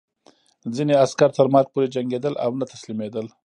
ځینې عسکر تر مرګ پورې جنګېدل او نه تسلیمېدل